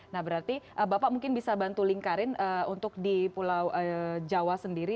nah berarti bapak mungkin bisa bantu lingkarin untuk di pulau jawa sendiri